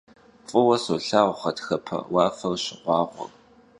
F'ıue solhağur ğatxepe vuafer şığuağuer.